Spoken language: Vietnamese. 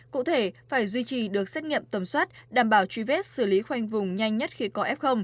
cụ thể phải duy trì được xét nghiệm tầm soát đảm bảo truy vết xử lý khoanh vùng nhanh nhất khi có f